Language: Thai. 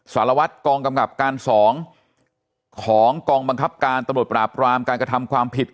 สารวัตรกองกำกับการ๒ของกองบังคับการตำรวจปราบรามการกระทำความผิด